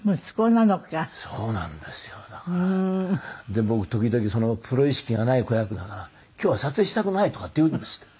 で僕時々プロ意識がない子役だから「今日は撮影したくない」とかって言うんですって。